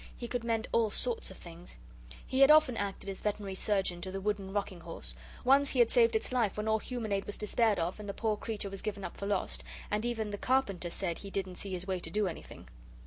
He could mend all sorts of things. He had often acted as veterinary surgeon to the wooden rocking horse; once he had saved its life when all human aid was despaired of, and the poor creature was given up for lost, and even the carpenter said he didn't see his way to do anything.